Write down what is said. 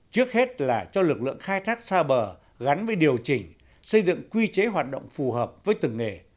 trước hết là cho lực lượng khai thác xa bờ gắn với điều chỉnh xây dựng quy chế hoạt động phù hợp với từng nghề